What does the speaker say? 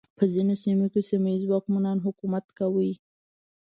په ځینو سیمو کې سیمه ییزو واکمنانو حکومت کاوه.